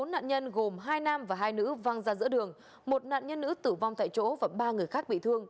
bốn nạn nhân gồm hai nam và hai nữ văng ra giữa đường một nạn nhân nữ tử vong tại chỗ và ba người khác bị thương